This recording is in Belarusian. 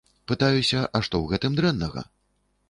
Пытаюся, а што у гэтым дрэннага?